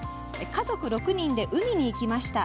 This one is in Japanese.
「家族６人で海に行きました。